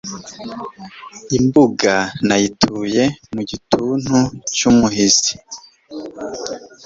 imbuga nayituye mu gituntu cyumuhizi